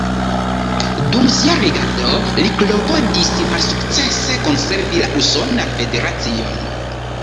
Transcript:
Dum sia regado li klopodis malsukcese konservi la usonan federacion.